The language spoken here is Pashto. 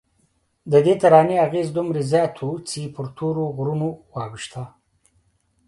ددې ترانې اغېز دومره زیات و چې پر تورو غرونو واوښته.